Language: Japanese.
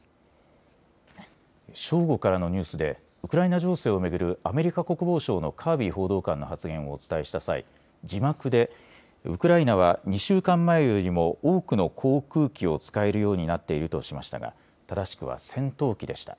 正午からのニュースでウクライナ情勢を巡るアメリカ国防総省のカービー報道官の発言をお伝えした際、字幕でウクライナは２週間前よりも多くの航空機を使えるようになっているとしましたが正しくは戦闘機でした。